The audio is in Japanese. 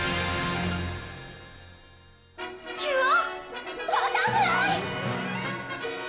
「キュア」「バタフライ！」